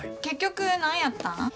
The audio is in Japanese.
結局何やったん？